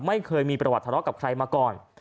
ไม่เคยมีประวัติทะเลาะกับใครมาก่อน